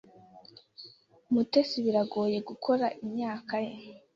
Mutesi biragoye gukora imyaka ye.